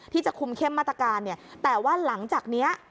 ที่จะคุมเข้มมาตรการเนี่ยแต่ว่าหลังจากนี้